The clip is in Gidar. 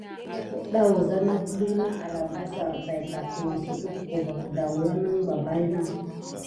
Əɗa wəza naguluy na alabassare tay tuwa suɗucko va kədawlanəŋ ɓa bayna.